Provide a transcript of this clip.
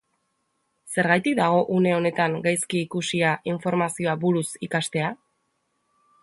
Zergatik dago une honetan gaizki ikusia informazioa buruz ikastea?